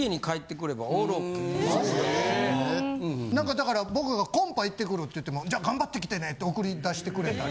だから僕が「コンパ行ってくる」って言っても「じゃあ頑張ってきてね」って送り出してくれたり。